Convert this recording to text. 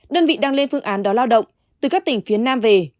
đơn vị đang lên phương án đó lao động từ các tỉnh phía nam về